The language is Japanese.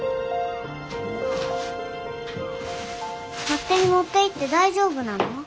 勝手に持っていって大丈夫なの？